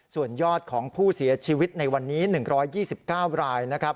ส่วนยอดของผู้เสียชีวิตในวันนี้๑๒๙รายนะครับ